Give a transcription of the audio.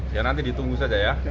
ya nanti ditunggu saja ya